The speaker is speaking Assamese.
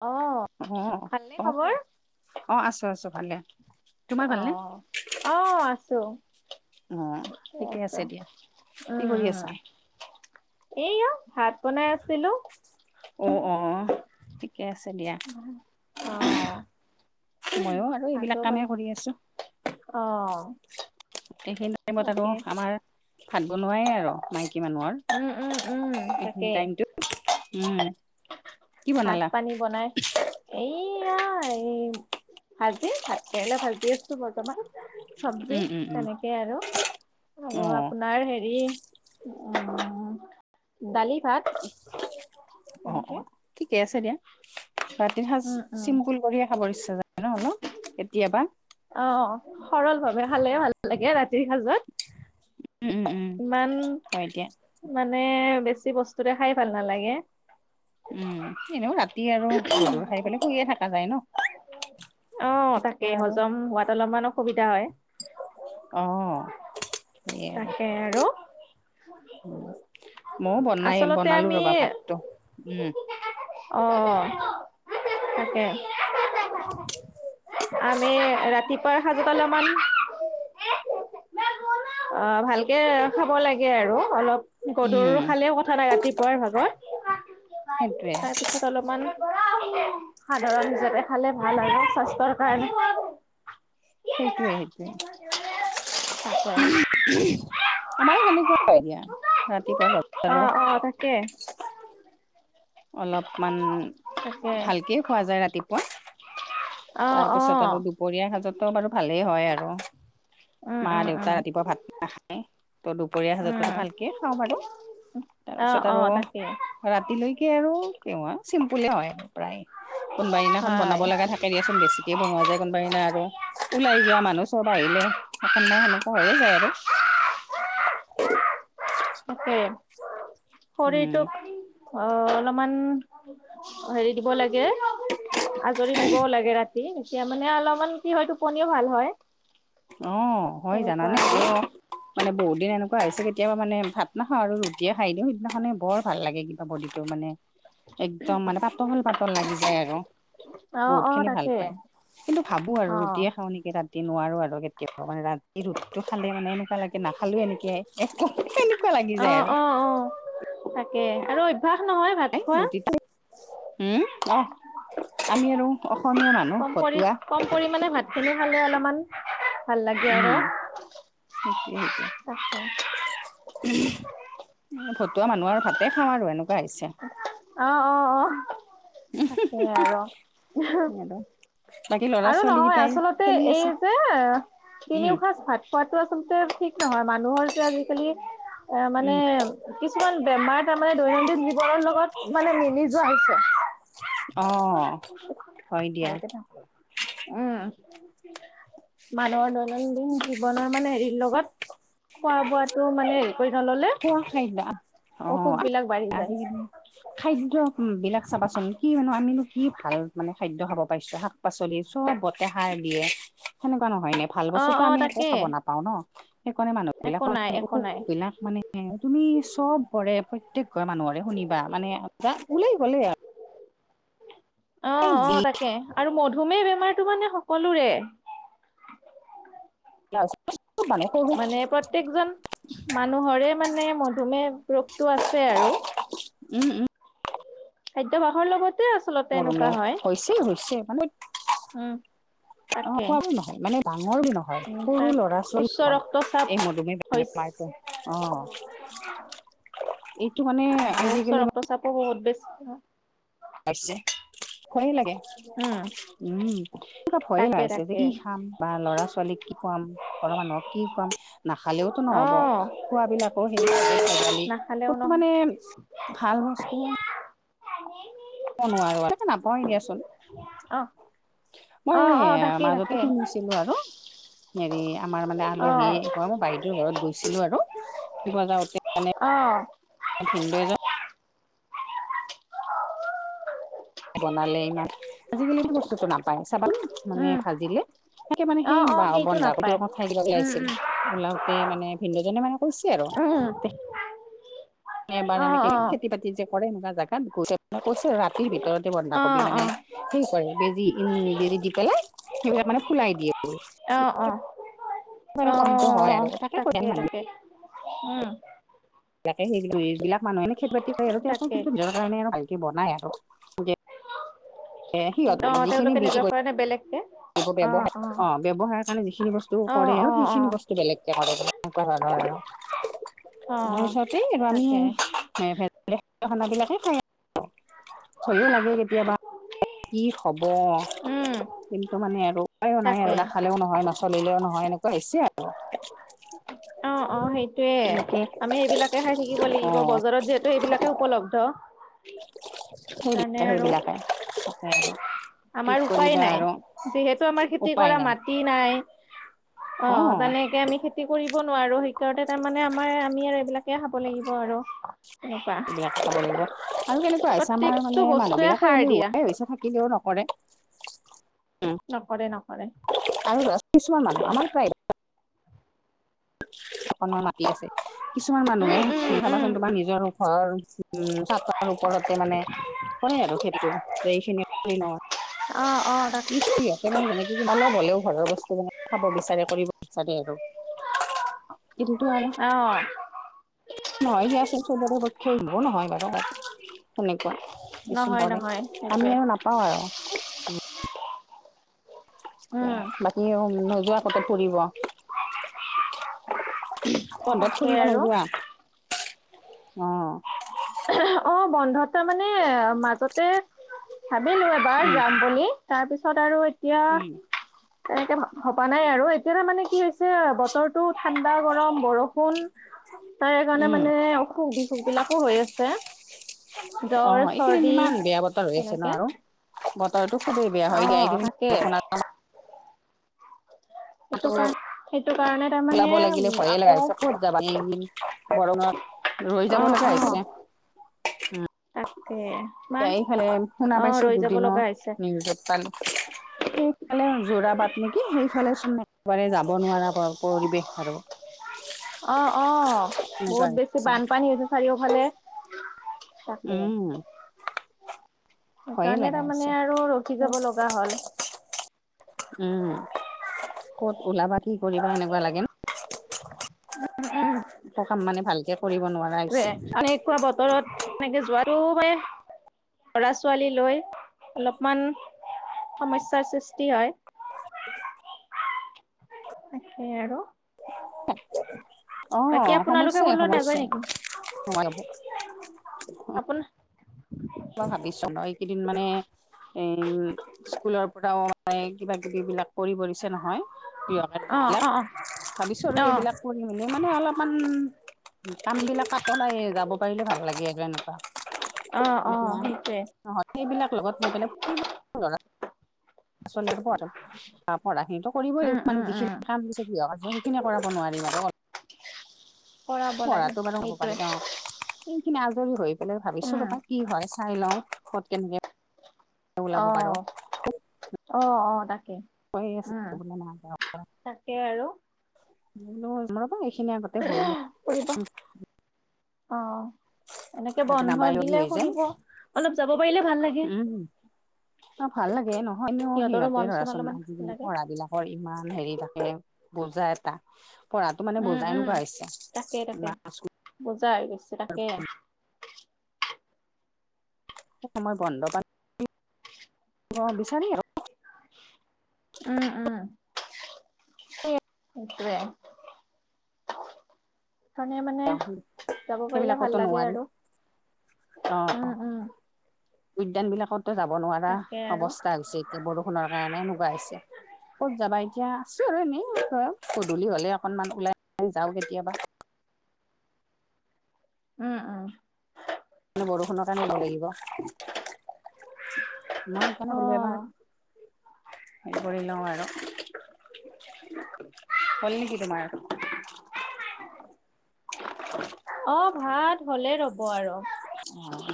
অ অ ভালনে অ খবৰ? কোৱা অ, আছো আছো ভালে, অ'। তোমাৰ ভালনে? অ', আছো অ, ঠিকে আছে দিয়া। কি কৰি আছা? এই অ, ভাত বনাই আছিলো। অ অ। ঠিকে আছে দিয়া। অ', ময়ো আৰু ভাতো এইবিলাক বন কামেই কৰি আছো। অ। সেইখিনি টাইমত আকৌ তাকে আমাৰ ভাত বনোৱাই আৰু মাইকী উম, উম, মানুহৰ। উম, তাকে সেইখিনি টাইমটোত? উম। কি ভাত বনালা? পানী বনাই এইয়া এই ভাজি, ভাত কেৰেলা ভাজি আছো বৰ্তমান। চব্জি উম, উম, উম, তেনেকে আৰু, আৰু অ', আপোনাৰ হেৰি অ, দালি ভাত। অ তেনেকে অ। ঠিকে আছে দিয়া। ৰাতি সাজ উম, উম, চিমকুল কৰিয়ে খাবৰ ইচ্ছা যায় ন হলো, কেতিয়াবা? অ সৰল ভাৱে খালে ভাল লাগে ৰাতিৰ সাজত। উম, উম, উম, ইমান হয় দিয়া মানে বেছি বস্তুৰে খাই ভাল নালাগে। উম। এনেও ৰাতি আৰু গধুৰ খাই পেলাই শুইয়ে থাকা যায় ন? অ তেতিয়া তাকে আৰু হজম হোৱাত অলপমান অসুবিধা হয়। অ। তাকে আৰু। মও বনাই আচলতে বনালো আমি ৰবা ভাতটো। উম। অঁ, তাকে। [unintelligible] আমে ৰাতিপুৱাৰ সাজত অলমান অ, ভালকে খাব লাগে আৰু অলপ। গধৰু উম খালে কথা নাই ৰাতিপুৱাৰ ভাগত। সেইটোৱে তাৰপিছত অলপমান সাধাৰণ হিচাপে খালে ভাল আৰু স্বাস্থ্যৰ কাৰণে। সেইটোৱে সেইটোৱে। তাকে আমাৰো সেনেকুৱা হয় দিয়া ৰাতিপুৱাৰ অ অ, তাকে। অলপমান তাকে ভালকে খোৱা যায় ৰাতিপুৱা। অ অ তাৰপিছত আৰু দুপৰীয়া সাজতো বাৰু ভালেই হয় আৰু। উম মা উম দেউতা উম ৰাতিপুৱা ভাত নাখায়। ত দুপৰীয়া সাজত উম কতো ভালকে খাওঁ বাৰু। অ তাৰপিছত অ আৰু তাকে ৰাতিলৈকে আৰু কিমান চিম্পুলে হয় প্ৰায়। কোনোবা দিনাখন হয় বনাব লাগা থাকে। কে দিয়াচোন, বেছিকে বনোৱা যায় কোনোবা দিনা আৰু। ওলাই যোৱা মানুহ চব আহিলে অকনমান সেনেকুৱা হৈয়ে যায় আৰু। তাকে। উম শৰীৰটোক অ অলপমান অ হেৰি দিব লাগে, আজৰি দিবও লাগে ৰাতি। এতিয়া মানে অলপমান কি হয়, টোপনিও ভাল হয়। অ, হয়। তেনেকুৱা জানানে আৰু কিয়? মানে বহুদিন এনেকোৱা হৈছে, কেতিয়াবা মানে ভাত নাখাওঁ আৰু ৰুটিয়ে খাই দিও, সিদিনাখনে বৰ ভাল লাগে কিন্তু। বডিটো মানে [unintelligible] একদম মানে, পাতল পাতল লাগি যায় আৰু। অ বহুত অ খিনি ভাল তাকে পায় কিন্তু ভাবো আৰু অ ৰুটিয়ে খাওঁ নেকি তাত কে নোৱাৰো আৰু কেতিাবা মানে ৰাতি ৰুটিটো খালে মানে এনেকুৱা লাগে নখালেও এ একোকে সেনেকুৱা লাগি অ যায় আৰু অ অ তাকে আৰু অভ্যাস নহয় ভাত খোৱা ৰুটটো উম অ আমি আৰু অসমীয়া মানুহ কম কৰি ভতুৱা কম পৰিমানে ভাত খিনি খালে অলপমান ভাল লাগে উম আৰু সেইটোয়ে সেইটোয়ে তাকে ভতুৱা মানুহ আৰু ভাতে খাওঁ আৰু এনেকুৱা হৈছে অ অ অ তাকে আৰু আৰু বাকী ল'ৰা আৰু ছোৱালী নহয় কেইটাই আচলতে খেলি এই আছে। যে উম, তিনিওসাঁজ ভাত খোৱাাতো আচলতে ঠিক নহয় মানুহৰ যে আজিকালি এ মানে উম, কিছুমান বেমাৰ তাৰমানে দৈনন্দিন জীৱনৰ লগত মানে মিলি যোৱা হৈছে অ হয় দিয়া উম মানুহৰ দৈনন্দিন জীৱনৰ মানে হেৰি লগত খোৱা-বোৱাটো মানে হেৰি কৰি নললে খোৱা খাদ্য অ অসুখ বিলাক বাঢ়ি আজ যায় খাদ্য বিলাক চাবাচোন কি মানো আমিনো কি ভাল মানে খাদ্য খাব পাৰিছো শাক-পাচলি চব বতে সাৰ দিয়ে সেনেকুৱা নহয় নে ভাল অ বস্তুটো অ আমি একো তাকে খাব নাপাওঁ ন সেইকাৰণে একো মানুহবিলাকৰ নাই একো নাই অসুখবিলাক এ তুমি চব বৰে প্ৰত্যেক ঘৰে মানুহৰে শুনিবা মানে ওলাই গ'লে আৰু অ অ তাকে আৰু মধুমেহ বেমাৰটো মানে সকলোৰে আৰু সৰু মানে প্ৰত্যয়েকজন মানুহৰে মানে মধুমেহ ৰোগটো আছে আৰু উম উম খাদ্যভাসৰ লগত মৰুমেয় হৈছে হৈছে উম অ তাকে। খোৱাবো নহয় মানে ডাঙৰবোৰ নহয় উম সৰু তাৰ উচ্চ ল'ৰা-ছোৱালীৰ হয় ৰক্তচাপ এই মধুমেয় বেমাৰটো হৈছে অ মানে তাকে উচ্চ আজিকালি ৰক্তচাপো বহুত বেছি হয় আছে খনি লাগে উম। উম কিবা ভয়ে তাকে লাগিছে যে তাকে কি খাম বা ল'ৰা-ছোৱালীক কি খুৱাম ঘৰৰ মানুহক কি খুৱাম নাখালেও নহব অহ খোৱাবিলাকো হেৰিভালি নাখালেও কটো নহ মানে ভাল বস্তু নোৱাৰো নাপাওয়ে দিয়াচোন অহ মই অহ অহ তাকে তাকে মাজতে শুনি ছিলো আৰু হেৰি আমাৰ মানে অহ। আলহী অ মই বাইদেউৰ ঘৰত গৈছিলো আৰু ৰাতিপুৱা যাওঁতে মানে আ ভিনদও এজন বনালে ইমান আজিকালি সেতু বস্তুটো নাপায় চাবা চোন মানে উম ভাজিলে তাকে মানে অহ সেই অহ সেইটো বন্ধাকবি নাপায় অকত খাই দিব উম লাইছিল উম। ওলাতে মানে ভিনদেওঁ জনে মানে কৈছে আৰু উম এবাৰ অ এনেকে অ খেতি-বাতি যে কৰে এনেকুৱা জাগাত বহুতে কৈছে আৰু ৰাতিৰ ভিতৰতে অ বন্ধাকবি মানে অ সে কৰে বেজি বেজি দি পেলাই স মানে ফোলাই দিয়ে অ অ মানে অ শব্দ হয় আৰু তাকে কৰি মানুহে উম বিলাকে সেইবিলাক মানুহেনো খেতি বাতি কৰে আৰু তেওঁকো তাকে কিন্তু নিজৰ কাৰণে আৰু ভালকে বনাই আৰু এ অ সিহঁতেও যিখিনি তেওঁলোকে বিক্ৰী নিজৰ কৰি বেলেগকে ব ব্যৱহাৰ অ ব্যৱসায়ৰ কাৰণে যিখিনি বস্তু অ কৰে অ আৰু অ সেইখিনি বস্তু বেলেগকে কৰে এনেকুৱা ধৰণৰ আৰু অ [unintelligible] তাৰ ওচৰতে আৰু আমি তাকে ভে খান বিলাকে খাই থয়ো লাগে কেতিয়াবা কি হব উম কিন্তু মানে আৰু উপায়ো নাই তাকে আৰু নাখালেও নহয় নচলিলেও নহয় এনেকুৱা হৈছে আৰু অ অ সেইটোয়ে তেনেকে আমি এইবিলাকে খাই থাকিব অ লাগিব বজাৰত যে ত সেইবিলাকে উপলব্ধ সু সেইকাৰণে আৰু সেইবিলাকে তাকে আৰু কি আমাৰ উপায় কৰিবা নাই আৰু যিহেতু আমাৰ খেতি উপায় কৰা নাই মাত খেতি নাই অ তেনেকে আমি খেতি খতি কৰিব নোৱাৰো শেইকাৰনে তাৰমানে আমাৰ আমি আৰু এইবিলাকে খাব লাগিব আৰু এনেকুৱা এইবিলাক খাব লাগিব আৰু কেনেকুৱা হৈছে আমাৰ প্ৰত্যেকটো মানে বস্তুৱে মানুহবিলাকো সাৰ এলেহুৱা দিয়া হোৱাই হৈছে থাকিলেও নকৰে উম নকৰে নকৰে আমিছ কিছুমান মানুহ তাকে আমাৰ প্ৰায় অকনৰ মাতি আছে কিছুমান উম উম উম মানুহেধাবাচোন তোমাৰ নিজৰ ঘৰ উ চাৰ ওপৰতে মানে হয় আৰু খেতিটো যে এইখিনি অ অ তাক ন মানে কি অলপ হলেও ঘৰৰ বস্তু মে খাব বিচাৰে কৰিব বিচাৰে আৰু এতিটো ভাৰ অ নহয় আছে চবৰে পক্ষে আহ মোৰ নহয় বাৰু সেনেকুৱা কিচ নহয় কৰে নহয় আমি সেইটোৱে আৰু নাপাওঁ আৰু উম বাকী নোযোৱা কত ফুৰিব কন্ধত তাকে ফুৰিব আৰু নোযোৱা অ অ বন্ধ তাৰ মানে মাজতে ভাবিলো এবাৰ উম যাম বুলি তাৰপিছত আৰু এতিয়া উম তেনেকে হবা নাই আৰু এতিয়া তাৰ মানে কি হৈছে বতৰটো ঠাণ্ডা গৰম বৰষুণ তাৰকাৰণে উম মানে অসুখ বিসুখ বিলাকো হৈ আছে অ জ্বৰ এইকেইদিন চৰ্দি ইমান বেয়া বতৰ হৈ আছে ন তেনেকে আৰু বতৰটো খুবেই বেয়া অ হয় তাকে দে সেইটো তটো কাৰ সেইটো কাৰণে তাৰমানে ওলাব উ লাগিলে ভয়ে আকৌ লগািছ ক য বৰত ৰৈ অ যাব লগীয়া অ আহছে উ তাকে এতিয়া ইমান এইফালে শুনা অ পাইছো ৰৈ যাব দুদিনৰ লগা হৈছে নিউজত পালো [inaudible] সেইফালে জোৰা বাট নেকি সেইফালেচোন একেবাৰে যাব নোৱাৰা পৰিৱেশ আৰু অ অ তেনেকুৱা বহুত বেছি হৈছে বানপানী হৈছে চাৰিওফালে তাকে উম ভয়ে সেইকাৰণে লগা হৈছে তাৰমানে আৰু ৰখি ক'ত যাব লগা হ'ল। উম ক'ত ওলাবা কি কৰিবা এনেকুৱা লাগেন। সকাম মানে ভালকে কৰিব নোৱাৰ- টোৱে এনেকুৱা বতৰত এনেকে যোৱাটো মানে ল'ৰা-ছোৱালী লৈ অলপমান সমস্যাৰ সৃষ্টি হয়। তাকে আৰু। অ বাকী আপোনালোকে সমস্যাই ক'লৈ নাযায় সমস্যাই নেকি [unintelligible] আপোন- মই ভাবিছো ন এইকেইদিন মানে এ স্কুলৰ পৰাও মানে কিবা কিবিবিলাক কৰিব দিছে নহয়। কৃহ অ', অ', কাৰ্য্যবিলাক ভাবিছো অ', আৰু সেইবিলাক অ', কৰি মেলি মানে অলপমান কামবিলাকত তলাই যাব পাৰিলে ভাল লাগে এগ্ৰাই এনেকুৱা অ। অ', না সেইটোৱে নহ সেইবিলাক লগত লৈ ফুৰিব [unintelligible] [unintelligible] পৰাখিনিটো কৰিবই উম, লাগিব উম, মানে যিখিন উম। কাম দিছে গৃহ কাৰ্য সে- কিনে কৰাব নোৱাৰি [unintelligible] কৰাব [unintelligible] লাগে সেইখিনি সেইটোৱে আজৰি হৈ পেলাই ভাবিছো উম। ৰবা কি হয় চাই লওঁ খত কেনকে অ অ অ তাকে। কৈ আছো উম। [unintelligible] তাকে আৰু [unintelligible] এইখিনি আগতে হৈ ল ফুৰিব উহ অ। এনেকে বন্ধ নাবাৰ লগী দিলে হৈ যায় ফুৰিব অলপ যাব পাৰিলে ভাল লাগে। উম অ ভাল লাগে নহয়নেও সিহঁতৰো সিহঁতে মন চন ধৰাচোন অলপমান আজি ভাল লাগে পঢ়াবিলাক ঘৰ ইমান হেৰি থাকে বুজা এটা পঢ়াতো মানে উম, বুজাই উম। নোকোৱা হৈছে। তাকে তাকে বুজা হৈ গৈছে তাকে সময় বন্ধ পাল- অ বিচাৰি আৰ [inaudible] উম উম। সেইটোৱে ধণে মানে যাব পাৰিলে ভাল সেইবিলাকতো লাগে নোৱাৰি আৰু উম উম। উদ্যানবিলাকতো যাব নোৱাৰা তাকে আৰু। অৱস্থা হৈছে এতিয়া বৰষুণৰ কাৰণে এনেকুৱা হৈছে। ক'ত যাবা এতিয়া আছো আৰু এনেই ধৰক গধূলি হ'লে অকণমান ওলাই যাওঁ কেতিয়াবা। উম উম। মানে বৰষুণৰ কাৰণে [unintelligible] মই সেইকাৰণে শুলে এবাৰ অ', হে কৰি লওঁ আৰ, হ'ল নেকি তোমাৰ? [inaudible] অ ভাত হ'লে ৰ'ব আৰু। অ